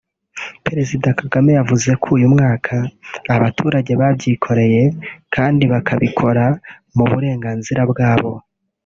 Perezida Kagame yavuze ko uyu mwaka abaturage babyikoreye kandi bakabikora mu burenganzira bwabo